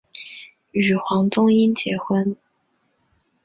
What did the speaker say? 与黄宗英结婚。